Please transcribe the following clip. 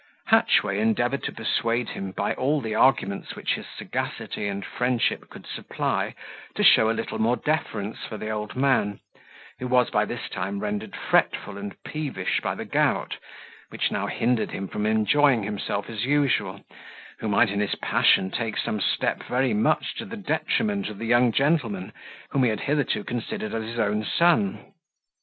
Hatchway endeavoured to persuade him, by all the arguments which his sagacity and friendship could supply, to show a little more deference for the old man, who was by this time rendered fretful and peevish by the gout, which now hindered him from enjoying himself as usual, who might, in his passion, take some step very much to the detriment of the young gentleman, whom he had hitherto considered as his own son.